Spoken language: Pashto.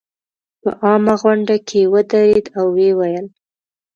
په عامه غونډه کې ودرېد او ویې ویل.